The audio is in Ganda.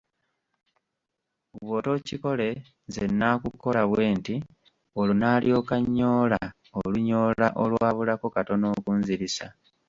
Bw'otookikole nze nnaakukola bwe nti, olwo n'alyoka annyoola olunyoola olwabulako katono okunzirisa.